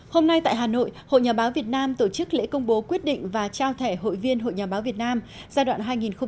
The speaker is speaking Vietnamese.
hôm nay tại hà nội hội nhà báo việt nam tổ chức lễ công bố quyết định và trao thẻ hội viên hội nhà báo việt nam giai đoạn hai nghìn một mươi sáu hai nghìn hai mươi